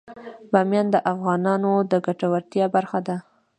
بامیان د افغانانو د ګټورتیا برخه ده.